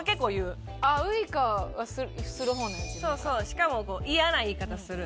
しかもイヤな言い方する。